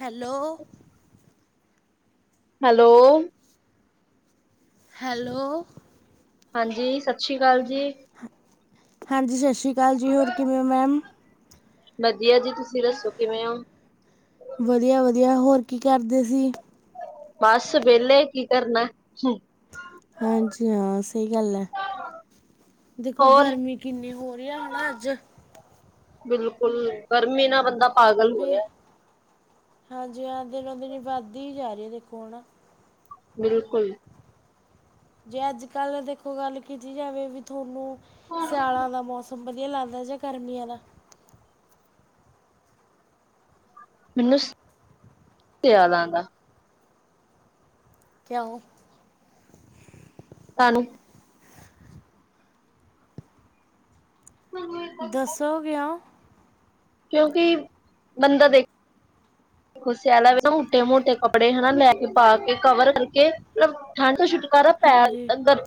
Hello, hello, hello, ਹਾਂਜੀ। ਸਤਿ ਸ੍ਰੀ ਅਕਾਲ ਜੀ। ਹਾਂਜੀ। ਸਤਿ ਸ਼੍ਰੀ ਅਕਾਲ ਜੀ। ਹੋਰ ਕਿਵੇਂ ਹੋ ਮੈਮ? ਵਧੀਆ ਜੀ। ਤੁਸੀਂ ਦੱਸੋ ਕਿਵੇਂ ਹੋ? ਵਧੀਆ -ਵਧੀਆ। ਹੋਰ ਕੀ ਕਰਦੇ ਸੀ? ਬਸ। ਵੇਹਲੇ ਕੀ ਕਰਨਾ। ਹਾਂਜੀ। ਹਾਂ, ਸਹੀ ਗੱਲ ਹੈ। ਦੇਖੋ ਹੋਰ ਗਰਮੀ ਕਿੰਨੀ ਹੋ ਰਹੀ ਹੈ ਹੈਾ ਅੱਜ। ਬਿਲਕੁਲ ਗਰਮੀ ਨਾਲ ਬੰਦਾ ਪਾਗ ਵੀ ਹਾਂਜੀ। ਹਾਂ, ਦਿਨੋ- ਦਿਨ ਵੱਧਦੀ ਜਾ ਰਹੀ ਹੈ ਦੇਖੋ ਹੁਣਾ। ਬਿਲਕੁਲ ਜੇ ਅੱਜ ਕੱਲ ਦੇਖੋ ਗੱਲ ਕੀਤੀ ਜਾਵੇ ਵੀ ਤੁਹਾਨੂੰ, ਸਿਆਲਾਂ ਦਾ ਮੌਸਮ। ਵਧੀਆ ਲੱਗਦਾ ਜ ਗਰਮਿਆਂ ਦਾ ਮੈਨੂੰ ਯਾਦ ਆਉਂਦਾ ਕਿਉਂ ਤਾਨੂੰ ਦੱਸੋ ਕਿਓ ਕਿਉਂਕਿ ਬੰਦਾ ਦੇਖ ਹੁਣ ਸਿਆਲਾ ਵੈ ਨਾ, ਮੋਟੇ ਮੋਟੇ ਕੱਪੜੇ ਹੈਨਾ ਲੈ ਕੇ, ਪਾ ਕੇ, ਕਵਰ ਕਰਕੇ ਮਤਲਬ ਠੰਡ ਤੋਂ ਛੁਟਕਾਰਾ ਪੈ, ਹਾਂਜੀ ਅਧਰ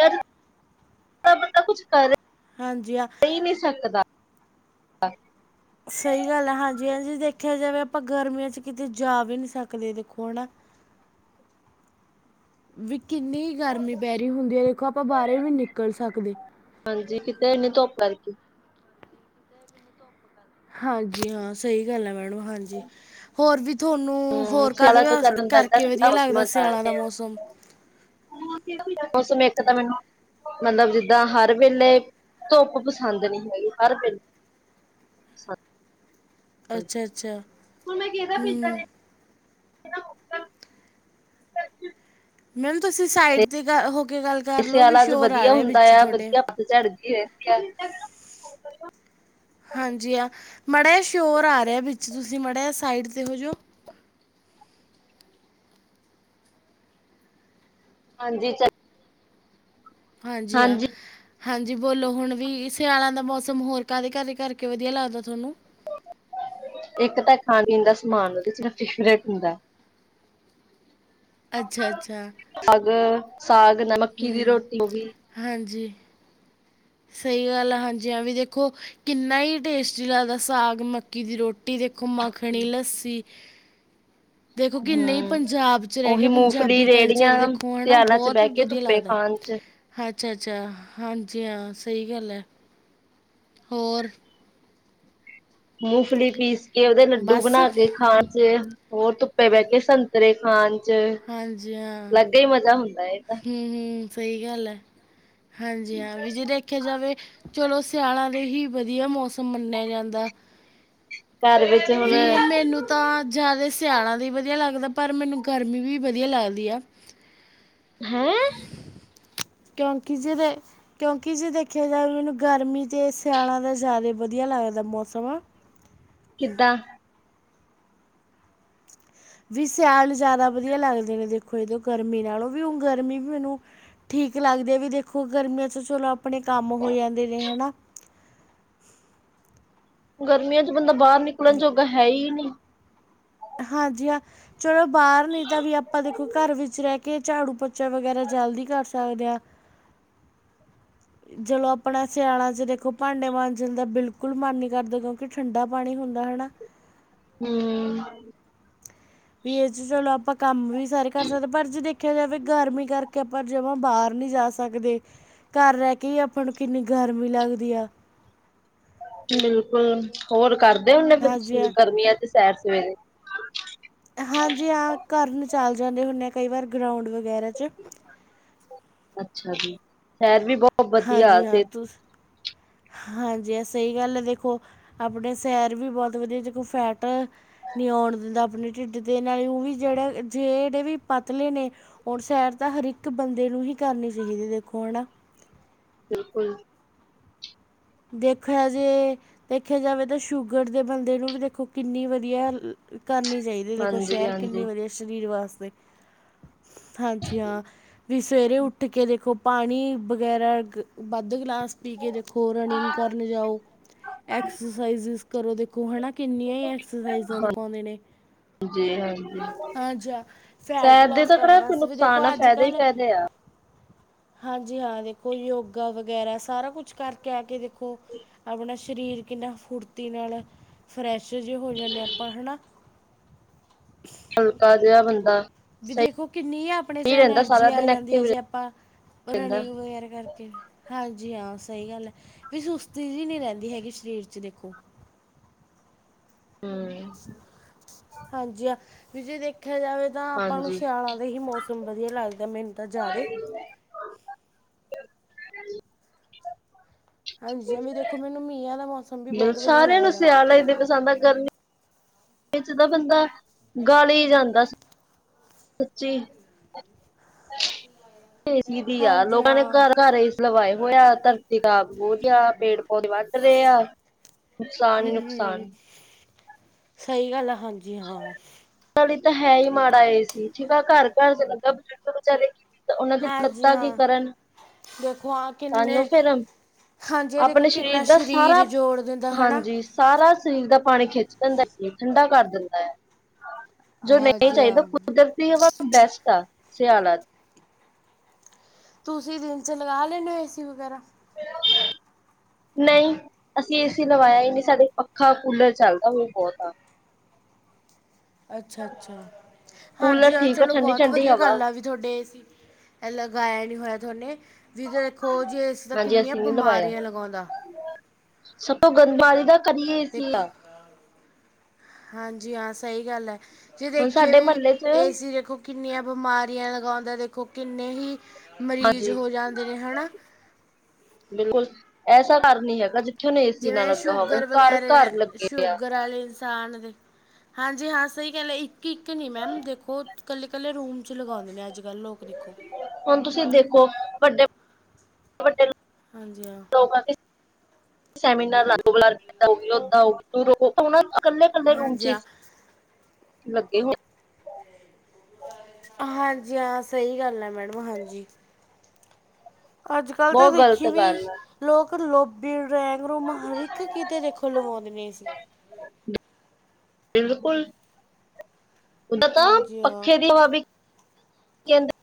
ਜਾ ਤਾਂ ਬੰਦਾ ਕੁਛ ਕਰੇ ਹਾਂਜੀ ਹਾਂ ਪੀ ਨਹੀਂ ਸਕਦਾ ਸਹੀ ਗੱਲ ਹੈ, ਹਾਂਜੀ- ਹਾਂਜੀ ਦੇਖਿਆ ਜਾਵੇ, ਆਪਾਂ ਗਰਮੀਆਂ 'ਚ ਕਿਤੇ ਜਾ ਵੀ ਨਹੀਂ ਸਕਦੇ ਦੇਖੋ ਹੈ ਨਾ ਵੀ ਕਿੰਨੀ ਗਰਮੀ ਪੈ ਰਹੀ ਹੁੰਦੀ ਹੈ, ਦੇਖੋ ਆਪਾਂ ਬਾਹਰ ਵੀ ਨੀ ਨਿਕਲ ਸਕਦੇ ਹਾਂਜੀ ਕਿਤੇ ਇੰਨੀ ਧੁੱਪ ਕਰ ਦੀ ਹਾਂਜੀ ਹਾਂ ਸਹੀ ਗੱਲ ਹੈ, ਮੈਡਮ ਹਾਂਜੀ ਹੋਰ ਵੀ ਤੁਹਾਨੂੰ ਹਮ ਹੋਰ ਸਿਆਲਾ ਕਾਹਦੇ ਤਾਂ ਚੱਲ ਬੰਦਾ ਕਰਕੇ ਠੰਡਾ ਵਧੀਆ ਮੌਸਮ ਲੱਗਦਾ, ਸਿਆਲਾਂ ਦਾ ਚ ਮੌਸਮ ਮੌਸਮ ਇੱਕ ਤਾਂ ਮੈਨੂੰ ਮਤਲਬ ਜਿੱਦਾਂ ਹਰ ਵੇਲੇ ਧੁੱਪ ਪਸੰਦ ਨਹੀਂ ਹੈਗੀ, ਹਰ ਵੇਲੇ ਪਸੰਦ ਅੱਛਾ ਅੱਛਾ ਹੁਣ ਮੈਂ ਕੇਦਾ ਪੀਤਾ ਹੂੰ ਐ ਮੈਮ ਤੁਸੀਂ ਸਾਈਡ 'ਤੇ ਹੋ ਕੇ ਗੱਲ ਕਰ ਲਓ, ਵੀ ਸ਼ੋਰ ਆ ਰਿਹਾ ਵਿੱਚ ਤੁਹਾਡੇ ਝੜ ਗਈ, ਵੇਖਿਆ ਹਾਂਜੀ ਆ ਮਾੜਾ ਜਿਹਾ ਸ਼ੋਰ ਆ ਰਿਹਾ ਵਿੱਚ, ਤੁਸੀਂ ਮਾੜਾ ਜਯਾ ਸਾਈਡ 'ਤੇ ਹੋ ਜਾਓ ਹਾਂਜੀ ਚ ਹਾਂਜੀ ਹਾਂ ਹਾਂਜੀ ਬੋਲੋ, ਹੁਣ ਵੀ ਸਿਆਲਾਂ ਦਾ ਮੌਸਮ ਹੋਰ ਕਾਹਦੇ ਕਾਹਦੇ ਕਰਕੇ ਵਧੀਆ ਲੱਗਦਾ ਤੁਹਾਨੂੰ ਇੱਕ ਤਾਂ ਖਾਣ ਪੀਣ ਦਾ ਸਮਾਨ ਉਹਦੇ ਚ ਫੇਵਰੇਟ ਹੁੰਦਾ ਅੱਛਾ ਅੱਛਾ ਸਾਗ ਸਾਗ ਨਾ ਮੱਕੀ ਦੀ ਹੂੰ ਰੋਟੀ, ਉਹ ਵੀ ਹਾਂਜੀ ਸਹੀ ਗੱਲ ਆ, ਹਾਂਜੀ ਹਾਂ ਵੀ ਦੇਖੋ ਕਿੰਨਾ ਹੀ ਟੇਸਟੀ ਲੱਗਦਾ ਸਾਗ ਮੱਕੀ ਦੀ ਰੋਟੀ, ਦੇਖੋ, ਮੱਖਣੀ ਲੱਸੀ ਦੇਖੋ ਹੂ, ਕਿੰਨੇ ਹੀ ਪੰਜਾਬ 'ਚ ਰਹਿ ਕੇ ਉਹੀ ਮੂੰਗਫਲੀ ਪੰਜਾਬੀ ਕਲਚਰ ਰੇੜੀਆਂ, ਦੇਖੋ ਹੈ ਨਾ ਸਿਆਲਾਂ ਚ ਬਹੁਤ ਬਹਿ ਕੇ ਵਧੀਆ ਧੁੱਪੇ ਲੱਗਦਾ ਖਾਣ ਚ ਅੱਛਾ -ਅੱਛਾ ਹਾਂਜੀ ਹਾਂ, ਸਹੀ ਗੱਲ ਹੈ, ਹੋਰ ਮੂੰਗਫਲੀ ਪੀਸ ਕੇ, ਉਹਦੇ ਲੱਡੂ ਬਸ ਬਣਾ ਕੇ ਖਾਣ ਚ ਹੋਰ ਧੁੱਪੇ ਬਹਿ ਕੇ ਸੰਤਰੇ ਖਾਣ ਚ, ਹਾਂਜੀ ਹਾਂ ਅਲੱਗ ਹੀ ਮਜ਼ਾ ਹੁੰਦਾ ਏ ਤਾਂ ਹੂੰ ਹੂੰ ਸਹੀ ਗੱਲ ਹੈ, ਹਾਂਜੀ ਹਾਂ, ਵੀ ਜੇ ਦੇਖਿਆ ਜਾਵੇ ਚਲੋ ਸਿਆਲਾਂ ਦੇ ਹੀ ਵਧੀਆ ਮੌਸਮ ਮੰਨਿਆ ਜਾਂਦਾ ਘਰ ਵਿੱਚ ਹੁਣ ਵੀ ਮੈਨੂੰ ਤਾਂ ਜਿਆਦਾ ਸਿਆਣਾ ਵੀ ਵਧੀਆ ਲੱਗਦਾ, ਪਰ ਮੈਨੂੰ ਗਰਮੀ ਵੀ ਵਧੀਆ ਲੱਗਦੀ ਆ ਹੈਂ ਕਿਉਂਕਿ ਜਿਹਦੇ ਕਿਉਂਕਿ ਜੇ ਦੇਖਿਆ ਜਾਵੇ, ਮੈਨੂੰ ਗਰਮੀ ਜੇ ਸਿਆਲ ਤਾਂ ਜ਼ਿਆਦਾ ਵਧੀਆ ਲੱਗਦਾ ਮੌਸਮ ਆ ਕਿਦਾਂ ਵੀ ਸੈਯਾਲ ਜ਼ਿਆਦਾ ਵਧੀਆ ਲੱਗਦੇ ਨੇ ਦੇਖੋ, ਜਦੋਂ ਗਰਮੀ ਨਾਲੋਂ, ਵੀ ਹੁਣ ਗਰਮੀ ਵੀ ਮੈਨੂੰ ਠੀਕ ਲੱਗਦੇ, ਵੀ ਦੇਖੋ ਗਰਮੀਆਂ ਚ ਚਲੋ ਆਪਣੇ ਕੰਮ ਹੋ ਜਾਂਦੇ ਨੇ, ਹੈਨਾ ਗਰਮੀਆਂ ਚ ਬੰਦਾ ਬਾਹਰ ਨਿਕਲਣ ਜੋਗਾ ਹੈ ਹੀ ਨਹੀਂ ਹਾਂਜੀ ਹਾਂ ਚਲੋ ਬਾਹਰ ਨੀ, ਤਾਂ ਵੀ ਆਪਾਂ ਦੇਖੋ ਘਰ ਵਿੱਚ ਰਹਿ ਕੇ, ਝਾੜੂ ਪਚਾ ਵਗੈਰਾ ਜਲਦੀ ਕਰ ਸਕਦੇ ਹਾਂ [unintelligible] ਚਲੋ ਆਪਣਾ ਸਿਆਲਾਂ ਚ ਦੇਖੋ ਭਾਂਡੇ ਮਾਜਣ ਬਿਲਕੁਲ ਮਨ ਨਹੀਂ ਕਰਦਾ ਕਿਉਂਕਿ ਠੰਡਾ ਪਾਣੀ ਹੁੰਦਾ ਹੈਨਾ। ਹੂੰ, ਵੀ ਇਹ ਚ ਚਲੋ ਆਪਾਂ ਕੰਮ ਵੀ ਸਾਰੇ ਕਰ ਸਕਦੇ ਪਰ ਜੇ ਦੇਖ। ਦੇਖਿਆ ਜਾਵੇ ਗਰਮੀ ਕਰਕੇ ਆਪਾਂ ਜਮਾਂ ਬਾਹਰ ਨਹੀਂ ਜਾ ਸਕਦੇ। ਘਰ ਰਹਿ ਕੇ ਹੀ ਆਪਾਂ ਨੂੰ ਕਿੰਨੀ ਗਰਮੀ ਲੱਗਦੀ ਆ। ਬਿਲਕੁਲ ਹੋਰ ਕਰਦੇ ਹੁਨੇ ਹਾਂਜੀ ਹਾਂ ਗਰਮੀਆਂ ਚ ਸੈਰ ਸਵੇਰੇ। ਹਾਂਜੀ ਹਾਂ ਕਰਨ ਚਲ ਜਾਂਦੇ ਹੁੰਦੇ ਆ ਕਈ ਵਾਰ ਗਰਾਉਂਡ ਵਗੈਰਾ ਚ ਅੱਛਾ ਜੀ, ਸੈਰ ਵੀ ਬਹੁਤ। ਵਧੀਆ ਹਾਂਜੀ ਹਾਂ ਸਿਹਤ ਤੁਸੀ ਹਾਂਜੀ ਸਹੀ ਗੱਲ ਹੈ ਦੇਖੋ। ਆਪਣੇ ਸੈਰ ਵੀ ਬਹੁਤ ਵਧੀਆ ਜੇ ਕੋਈ ਫੈਟ ਆ। ਨਹੀਂ ਆਉਣ ਦਿੰਦਾ ਆਪਣੇ ਢਿੱਡ ਦੇ ਨਾਲ ਹੀ ਉਹ ਵੀ ਜਿਹੜੇ ਜਿਹੜੇ ਵੀ ਪਤਲੇ ਨੇ। ਹੁਣ ਸੈਰ ਤਾਂ ਹਰ ਇੱਕ ਬੰਦੇ ਨੂੰ ਹੀ ਕਰਨੀ ਚਾਹੀਦੀ ਹੈ ਦੇਖੋ ਹਨਾ। ਬਿਲਕੁਲ। ਦੇਖਿਆ ਜੇ ਦੇਖਿਆ ਜਾਵੇ ਤਾਂ ਸ਼ੂਗਰ ਦੇ ਬੰਦੇ ਨੂੰ ਵੀ ਦੇਖੋ ਕਿੰਨੀ ਵਧੀਆ। ਕਰਨੀ ਚਾਹੀਦੀ ਦੇਖੋ ਹਾਂਜੀ ਸੈਰ ਕਿੰਨੀ ਹਾਂਜੀ ਵਧੀਆ। ਸਰੀਰ ਵਾਸਤੇ ਹਾਂਜੀ ਹਾਂ ਵੀ ਸਵੇਰੇ ਉੱਠ ਕੇ ਦੇਖੋ। ਪਾਣੀ ਵਗੈਰਾ ਵੱਧ ਗਲਾਸ ਪੀ ਕੇ ਦੇਖੋ, ਰਨਿੰਗ ਕਰਨ ਜਾਓ। ਐਕਸਰਸਾਈਜ਼ਿਸ ਕਰੋ, ਦੇਖੋ ਹੈ ਨਾ ਕਿੰਨੀਆਂ ਹੀ ਐਕਸਰਸਾਈਜ਼ਾਂ ਦਿਖਾਉਂਦੇ ਨੇ। ਜੀ ਹਾਂਜੀ ਹਾਂ ਜੀ ਹਾਂ ਫੈਟ ਸੈਰ ਦੇ ਲੋਸ ਤਾਂ ਕਰਨ ਕਿਹੜਾ ਕੋਈ ਵਾਸਤੇ ਵੀ ਦੇਖੋ ਨੁਕਸਾਨ ਆ ਅੱਜ ਫਾਇਦੇ ਹੀ ਕੱਲ। ਫਾਇਦੇ ਆ ਹਾਂ ਜੀ, ਹਾਂ ਦੇਖੋ ਯੋਗਾ ਵਗੈਰਾ ਸਾਰਾ ਕੁਛ ਕਰਕੇ ਆ ਕੇ ਦੇਖੋ। ਆਪਣਾ ਸਰੀਰ ਕਿੰਨਾ ਫੁਰਤੀ ਨਾਲ ਫਰੈਸ਼ ਜਿਹਾ ਹੋ ਜਾਂਦੇ ਹਾਂ, ਆਪਾਂ ਹਨਾ। ਹਲਕਾ ਜਿਹਾ ਬੰਦਾ। ਵੀ ਸਹੀ ਦੇਖੋ ਕਿੰਨੀ ਆਪਣੇ 'ਚ ਰਹਿੰਦਾ ਐਨਰਜੀ ਸਾਰਾ ਆ ਦਿਨ ਜਾਂਦੀ ਹੈ ਐਕਟਿਵ ਜੇ ਆਪਾਂ ਰਹਿੰਦਾ ਰਨਿੰਗ ਵਗੈਰਾ ਕਰ। ਹਾਂਜੀ ਹਾਂ, ਸਹੀ ਗੱਲ ਐ ਵੀ ਸੁਸਤੀ ਜੇ ਨਹੀਂ ਰਹਿੰਦੀ ਹੈਗੀ ਸਰੀਰ 'ਚ। ਦੇਖੋ ਹਹ ਮ। ਹਾਂਜੀ ਆ, ਵੀ ਜੇ ਦੇਖਿਆ ਜਾਵੇ, ਤਾਂ ਆਪਾਂ ਨੂੰ ਹਾਂਜੀ ਸਿਆਲਾਂ ਦੇ ਹੀ ਮੌਸਮ। ਵਧੀਆ ਲੱਗਦਾ, ਮੈਨੂੰ ਤਾਂ ਜਿਆਦੇ। ਹਾਂ ਜੀ, ਵੀ ਦੇਖੋ। ਮੈਨੂੰ ਮੀਹਾਂ ਦਾ ਮੌਸਮ ਵੀ ਬਹੁਤ ਵਧੀਆ ਲੱਗਦਾ। ਇੇਨੇ ਪਸੰਦਾਂ ਕਰਨੀ। ਵਿੱਚ ਤਾਂ ਬੰਦਾ, ਗਾਲੀ ਜਾਂਦਾ ਸੀ। ਸੱਚੀ ਸ। ਏ ਸੀ ਵੀ ਆ ਹਾਂਜੀ ਲੋਕਾਂ ਨੇ ਹਾਂ ਘਰ-ਘਰ ਏਸੀ ਲਵਾਏ ਹੋਏਆ ਆ। ਖਰਾਬ ਹੋ ਗਿਐ, ਪੇੜ-ਪੌਦੇ ਵੱਢ ਰਹੇ ਆ। ਨੁਕਸਾਨ ਹੀ ਹਮ ਹਮ ਨੁਕਸਾਨ ਸਹੀ ਗੱਲ ਆ ਹਾਂਜੀ ਹਾਂ। ਲਈ ਤਾਂ ਹੈ ਹੀ ਮਾੜਾ ਇਹਏ ਸੀ ਠੀਕ ਆ ਘਰ ਘਰ ਚਲੂਗਾ ਬਜ਼ੁਰਗ ਵਿਚਾਰੇ। ਤਾਂ ਉਨਾਂ ਦੀਆਂ ਹਾਂਜੀ ਲੱਤਾਂ ਕੀ ਹਾਂ ਕਰਨ। ਦੇਖੋ ਹਾਂ ਸਾਨੂੰ ਕਿੰਨੇ। ਫਿਰ ਹਾਂ ਜੀ, ਇਹ ਦੇਖੋ ਆਪਣੇ ਕਿੰਨਾ ਦਾ ਸਾਰਾ ਸਰੀਰ ਜੋੜ ਦਿੰਦਾ ਹਨਾ। ਹਾਂਜੀ ਸਾਰਾ ਸਰੀਰ ਦਾ ਪਾਣੀ ਖਿੱਚ ਦਿੰਦਾ ਸਰੀਰ ਠੰਡਾ ਕਰ ਦਿੰਦਾ ਹੈ। ਜੋ ਨਹੀਂ ਹਾਂਜੀ ਹਾਂ ਚਾਹੀਦਾ ਕੁਦਰਤੀ ਹਵਾ, ਬੈਸਟ ਆ ਸਿਆਾਲਤ। ਤੁਸੀਂ ਦਿਨ 'ਚ ਲਗਾ ਲੈਂਦੇ ਹੋ, ਏ ਸੀ ਵਗੈਰਾ। ਨਹੀਂ, ਅਸੀਂ ਏ ਸੀ ਲਵਾਇਆ ਹੀ ਨਹੀਂ। ਸਾਡੇ ਪੱਖਾ ਕੂਲਰ ਚੱਲਦਾ, ਹੁਣ ਬਹੁਤਾ ਆ। ਅੱਛਾ ਅੱਛਾ, ਹਾਂ ਕੂਲਰ ਜੀ ਆਹ ਠੀਕ ਆ ਚਲੋ ਠੰਡੀ ਬਹੁਤ ਠੰਡੀ ਵਧੀਆ ਹਵਾ ਗੱਲ ਆ ਵੀ। ਤੁਹਾਡੇ ਏਸੀ ਲਗਾਇਆ ਨਹੀਂ, ਹੋਇਆ ਤੁਹਾਨੂੰ ਵੀ। ਹੋਰ ਜੇ ਏ ਸੀ ਤਾਂ ਹਾਂਜੀ ਕਿੰਨੀਆਂ ਅਸੀਂ ਨੀ ਲਵਾਇਆ ਬਿਮਾਰੀਆਂ ਲੱਗਦੀਆਂ। ਸਭ ਤੋਂ ਗੰਦ ਪਾਣੀ ਤਾਂ। ਦੇਖੋ ਹਾਂਜੀ ਆ ਸਹੀ ਗੱਲ ਹੈ। ਜੇ ਹੁਣ ਦੇਖੀਏ ਸਾਡੇ ਵੀ। ਮਹੱਲੇ ਚ ਏ ਸੀ ਦੇਖੋ। ਕਿੰਨੀਆਂ ਬਿਮਾਰੀਆਂ ਲਗਾਉਂਦਾ, ਦੇਖੋ ਕਿੰਨੇ ਹੀ ਮਰੀਜ਼ ਹਾਂਜੀ ਹੋ, ਜਾਂਦੇ ਨੇ ਹਨਾ। ਬਿਲਕੁਲ ਐਸਾ ਘਰ ਨੀ ਹੈਗਾ, ਜਿੱਥੇ ਹੁਣ ਏ ਸੀ ਨਾ ਜਿਵੇਂ ਲੱਗਾ ਹੋਵੇ। ਘਰ-ਘਰ ਲੱਗੇ ਪਿਆ। ਕਾ ਇਨਸਾਨ ਦੇ ਹਾਂਜੀ ਹਾਂ, ਸਹੀ ਗੱਲ ਇੱਕ ਇੱਕ ਨਹੀਂ ਮੈਮ ਦੇਖੋ, ਨਾਲੇ ਇਨਸਾਨ ਦੇ ਹਾਂਜੀ ਹਾਂ ਸਹੀ ਗੱਲ ਇੱਕ ਇੱਕ ਨਹੀਂ ਮੈਮ ਦੇਖੋ। ਇਕੱਲੇ-ਇਕੱਲੇ ਰੂਮ ' ਲਗਾਉਂਦੇ ਨੇ ਅੱਜ ਕੱਲ ਲੋਕ ਦੇਖੋ। ਹੁਣ ਤੁਸੀਂ ਦੇਖੋ ਵੱਡੇ-ਵੱਡੇ ਹਾਂਜੀ ਹਾਂ। ਸੈਮੀਨਾਰ ਲਲਦਾਂ, ਹੋਊਗੀ ਓਦਾਂ ਹੋਊਗੀ। ਤ, ਰਕੋ ਉਹਨਾਂ ਇਕੱਲੇ-ਇਕੱਲੇ ਰੂਮ ਹਾਂਜੀ 'ਚ ਹਾਂ ਲੱਗੇ ਹੋ। ਹਾਂ ਜੀ, ਹਾਂ ਸਹੀ ਗੱਲ ਆ ਮੈਡਮ ਹਾਂ ਜੀ। ਅਜ ਕੱਲ ਤਾਂ, ਬਹੁਤ ਗ਼ਲਤ ਦੇਖੀ ਵੀ। ਗੱਲ ਆ ਲੋਕ ਲੋਬੀ ਡੈਂਗ ਰੂਮ ਹਰ, ਇੱਕ ਕਿਤੇ ਦੇਖੋ ਲਵਾਉਂਦੇ ਨੇ ਸੀ। ਬਿਲਕੁਲ ਉਦਾ ਤਾਂ ਹਾਂਜੀ ਹਾਂ ਪੱਖੇ ਦੀ ਹਵਾ ਵੀ ਕੈਦਐ।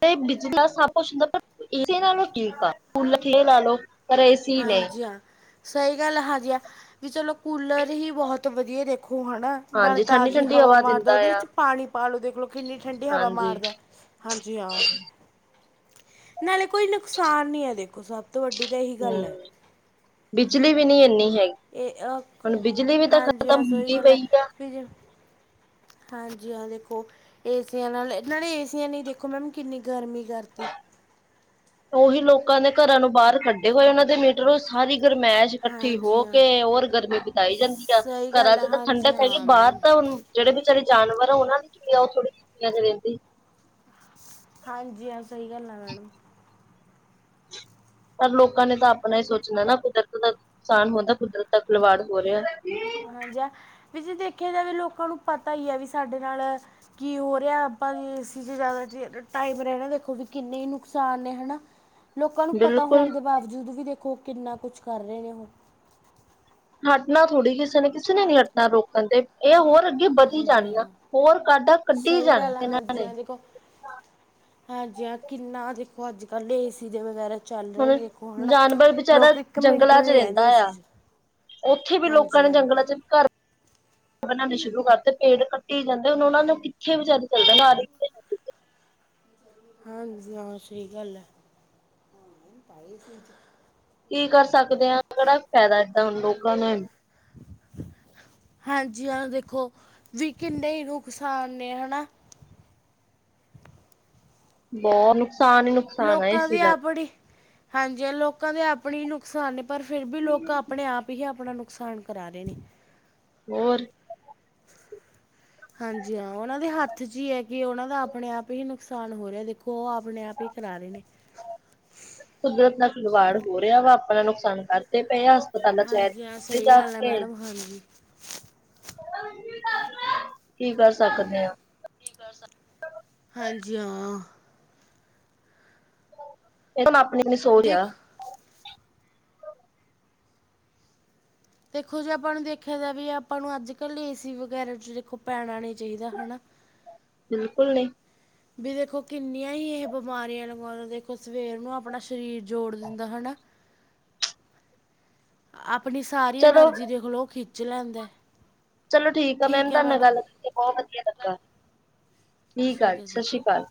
ਤੇ ਬਿਜਲੀ ਨਾਲ ਸਭ ਕੁਛ, ਹੁੰਦਾ ਪਰ ਏ ਨਾਲ ਠੀਕ ਆ ਫ ਲੈ ਲਓ। ਪਰ ਏਸੀ ਹਾਂ ਨੇ ਜੀ, ਹਾਂ। ਸਹੀ ਗੱਲ ਹ ਹਾਂਜੀ ਹਾ, ਵੀ ਚਲੋ ਕੂਲਰ ਹੀ ਬਹੁਤ ਵਧੀਆ ਦੇਖੋ ਹੈ ਨਾ। ਨਾਲ ਹਾਂਜੀ ਠੰਡੀ ਤਾਜ਼ੀ ਠੰਡੀ ਹਵਾ, ਮਾਰਦਾ ਦਿੰਦਾ ਉਹਦੇ ਆ ਵਿੱਚ ਪਾਣੀ ਪਾਾਲੋ ਦੇਖਲੋ ਕਿੰਨੀ ਠੰਡੀ ਹਵਾ ਹਾਂਜੀ ਮਾਰਦਾ। ਹਾਂ ਜੀ ਹਾਂ, ਨਾਲੇ ਕੋਈ ਨੁਕਸਾਨ ਨੀ ਹੈ ਦੇਖੋ ਸਭ ਤੋਂ ਵੱਡੀ ਤਾਂ ਇ ਹੀ। ਹਮ, ਬਿਜਲੀ ਵੀ ਨੀ ਇੰਨੀ ਹੈਗੀ। ਇਹ ਅ, ਹੁਣ ਬਿਜਲੀ ਵੀ ਤਾਂ ਹਾਂ ਜੀ ਖ਼ਤਮ ਹਾਂ, ਸੋਹੀ ਹੁੰਦੀ ਗੱਲ ਹੈ। ਪਈ ਆ ਫ ਜੇ ਹਾਂ ਜੀ ਹਾਂ, ਦੇਖੋ ਏਸੀਆਂ ਨਾਲ ਨਾਲੇ, ਏਸੀਆਂ ਲਈ ਦੇਖੋ ਮੈਮ ਕਿੰਨੀ ਗਰਮੀ ਕਰਤੀ। ਉ ਹੀ ਲੋਕਾਂ ਦੇ ਘਰਾਂ, ਨੂੰ ਬਾਹਰ ਕੱਢੇ ਹੋਏ ਉਹਨਾਂ ਦੇ ਮੀਟਰ ਉਹ ਸਾਰੀ ਗਰਮੈਸ਼। ਇਕੱਠੀ ਹਾਂਜੀ ਹੋ ਹਾਂ ਕੇ ਹੋਰ ਗਰਮੀ ਬਿਤਾਈ ਜਾਂਦੀ ਆ ਸਹੀ ਘਰਾਂ ਗੱਲ ਹੈ ਚ ਤਾਂ ਹਾਂਜੀ ਠੰਡਕ ਹੈਗੀ ਹਾਂ ਬਾਹਰ ਮੈਡਮ ਤਾਂ ਹੁਣ ਜਿਹੜੇ ਬੇਚਾਰੇ ਜਾਨਵਰ ਆ ਉਹਨਾਂ ਨੇ ਕੀ ਆ ਉਹ ਥੋੜੀ ਰਹਿੰਦੀ। ਹਾਂਜੀ ਹਾਂ ਸਹੀ ਗੱਲ ਆ ਮੈਡਮ। ਪਰ ਲੋਕਾਂ ਨੇ ਤਾਂ ਆਪਣਾ ਹੀ ਸੋਚਣਾ ਨਾ ਕੁਦਰਤ ਦਾ ਨੁਕਸਾਨ ਹੁੰਦਾ ਕੁਦਰਤ ਦਾ ਖਿਲਵਾੜ ਹੋ ਰਿਹਾ। ਹਾਂਜੀ ਵੀ ਦੇਖਿਆ ਜਾਵੇ ਲੋਕਾਂ ਨੂੰ ਪਤਾ ਹੀ ਹੈ ਵੀ ਸਾਡੇ ਨਾਲ ਕੀ ਹੋ ਰਿਹਾ ਆਪਾਂ ਵੀ ਏਸੀ 'ਚ ਜ਼ਿਆਦਾ ਚ ਟਾਈਮ ਰਹਿਣਾ ਦੇਖੋ ਵੀ ਕਿੰਨੇ ਹੀ ਨੁਕਸਾਨ ਨੇ ਹੈਾ। ਲੋਕਾਂ ਨੂੰ ਪਤਾ ਬਿਲਕੁਲ ਹੋਣ ਦੇ ਬਾਵਜੂਦ ਵੀ ਦੇਖੋ ਕਿੰਨਾ ਕੁਛ ਕਰ ਰਹੇ ਨੇ ਉਹ ਹਟਨਾ ਥੋੜ੍ਹੀ ਕਿਸੇ ਨੇ ਕਿਸੇ ਨੇ ਨੀ ਹਟਣਾ ਰੋਕਣ ਤੇ ਇਹ ਹੋਰ ਵਧੀ ਹਾਂਜੀ ਹਾਂ ਜਾਣੀਆਂ ਹੋਰ ਕਾਡਾਂ ਕੱਢੀ ਸਹੀ ਜਾਣੀਆਂ ਗੱਲ ਹੈ ਇਹਨਾਂ ਹਾਂਜੀ ਨੇ ਹਾਂ ਦੇਖੋ ਹਾਂਜੀ ਹ ਕਿੰਨਾ ਦੇਖੋ ਅੱਜ ਕੱਲ੍ਹ ਏਸੀ ਦੇ ਵਗੈਰਾ ਚੱਲ ਰਹੇ ਹੁਣ ਨੇ ਦੇਖੋ ਹੈ ਜਾਨਵਰ ਵਿਚਾਰਾ ਲੋਕ ਇੱਕ ਮਿੰਟ ਜੰਗਲਾਂ ਚ ਨਹੀਂ ਰਹਿੰਦਾ ਰਹਿੰਦੇ ਆ ਸੀ ਚ ਉੱਥੇ ਵੀ ਲੋਕਾਂ ਹਾਂਜੀ ਨੇ ਹਾਂ ਜੰਗਲਾਂ ਚ ਵੀ ਘਰ ਬਣਾਉਣੇ ਸ਼ੁਰੂ ਕਰਦੇ ਪੇੜ ਕੱਟੀ ਜਾਂਦੇ ਹੁਣ ਉਹ ਨੂੰ ਕਿੱਥੇ ਵਿਚਾਰੇ ਚੱਲਦੇ ਬ ਹਾਂਜੀ ਹਾਂ ਸਹੀ ਗੱਲ ਹੈ। ਕੀ ਕਰ ਸਕਦੇ ਹਾਂ, ਕਿਹੜਾ ਫਾਇਦਾ ਏਦਾਂ ਹਾਂ ਲੋਕਾਂ ਨੂੰ। ਹਾਂਜੀ ਹਾਂ ਦੇਖੋ ਵੀ ਕਿੰਨੇ ਹੀ ਨੁਕਸਾਨ ਨੇ ਹਨਾ। ਬਹੁਤ ਨੁਕਸਾਨ ਹੀ ਨੁ ਲੋਕਾਂ ਦੀ ਆਪਣੀ ਹਾਂਜੀ ਲੋਕਾਂ ਦੇ ਆਪਣੇ ਨੁਕਸਾਨ ਪਰ ਫਿਰ ਵੀ ਲੋਕ ਆਪਣੇ ਆਪ ਹੀ ਆਪਣਾ ਨੁਕਸਾਨ ਕਰਾ ਰਹੇ ਨੇ ਹੋਰ ਹਾਂਜੀ ਹਾਂ ਉਹਨਾਂ ਦੇ ਹੱਥ ਚ ਹੀ ਹੈ ਕਿ ਉਹਨਾਂ ਦਾ ਆਪਣੇ ਆਪ ਹੀ ਨੁਕਸਾਨ ਹੋ ਰਿਹਾ ਦੇਖੋ ਉਹ ਆਪਣੇ ਆਪ ਹੀ ਕਰਾ ਰਹੇ ਨੇ ਕੁਦਰਤ ਨਾਲ ਖਿਲਵਾੜ ਹੋ ਰਿਹਾ ਵਾ ਆਪਣਾ ਨੁਕਸਾਨ ਕਰਦੇ ਪਏ ਆ। ਹਸਪਤਾਲਾਂ ਚ ਹਾਂਜੀ ਹਾਂ ਸਹੀ ਜਾ ਗੱਲ ਹੈ ਕੇ ਮੈਡਮ ਹਾਂਜੀ ਕੀ ਕਰ ਸਕਦੇ ਆ। ਹਾਂਜੀ ਹਾਂ ਇਹ ਮ ਆਪਣੇ ਨੇ ਸੋ ਦੇਖ ਰਿਹਾ। ਦੇਖੋ ਜੇ ਆਪਾਂ ਨੂੰ ਦੇਖਿਆ ਜਾ ਵੀ ਆਪਾਂ ਨੂੰ ਅੱਜ ਕੱਲ ਏ ਸੀ ਵਗੈਰਾ ਚ ਦੇਖੋ ਪੈਣਾ ਨਹੀਂ ਚਾਹੀਦਾ ਹਨਾ। ਬਿਲਕੁਲ ਨਹੀਂ। ਵੀ ਦੇਖੋ ਕਿੰਨੀਆਂ ਹੀ ਇਹ ਬਿਮਾਰੀਆਂ ਲ ਦੇਖੋ ਸਵੇਰ ਨੂੰ ਆਪਣਾ ਸਰੀਰ ਜੋੜ ਦਿੰਦਾ ਹਨਾ ਆਪਣੀ ਸਾਰੀ ਚਲੋ ਐਨਰਜੀ ਦੇਖਲੋ ਖਿੱਚ ਲੈਂਦਾ ਚਲੋ ਠੀਕ ਆ ਮੈਮ ਹੈ ਤੁਹਾਡੇ ਨਾਲ ਮੈਡਮ ਗੱਲ ਕਰਕੇ ਬਹੁਤ ਵਧੀਆ ਲੱਗਾ ਠੀਕ ਆ ਠੀਕ ਹੈ ਸਤਿ ਠੀਕ ਸ੍ਰੀ ਹੈ ਅਕਾਲ